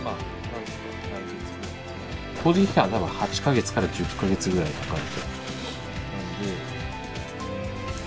工事期間は８か月から１０か月ぐらいかかる。